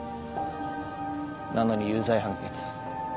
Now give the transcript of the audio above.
なのに有罪判決。